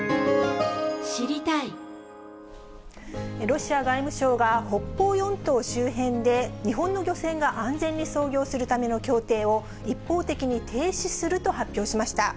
ロシア外務省が、北方四島周辺で、日本の漁船が安全に操業するための協定を、一方的に停止すると発表しました。